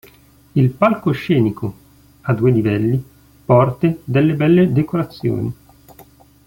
Il palcoscenico, a due livelli, porte delle belle decorazioni.